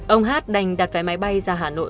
ông hát đành đặt vé máy bay ra hà nội